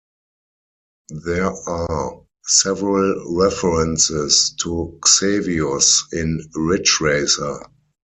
There are several references to "Xevious" in "Ridge Racer".